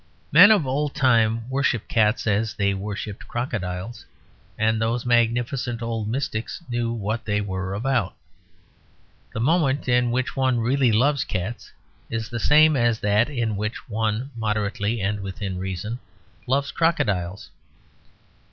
Men of old time worshipped cats as they worshipped crocodiles; and those magnificent old mystics knew what they were about. The moment in which one really loves cats is the same as that in which one (moderately and within reason) loves crocodiles.